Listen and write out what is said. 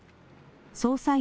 捜査員